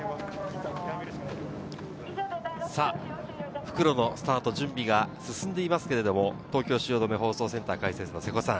復路のスタート、準備が進んでいますけど、東京・汐留放送センター解説・瀬古さん。